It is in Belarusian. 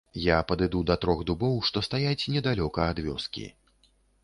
Я падыду да трох дубоў, што стаяць недалёка ад вёскі.